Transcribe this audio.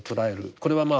これはまあ